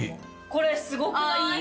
これすごくない？